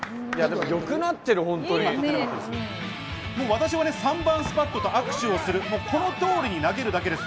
私は３番スパットと握手をする、この通りに投げるだけです。